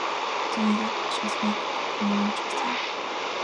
To me that just makes it more interesting